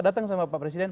datang sama pak presiden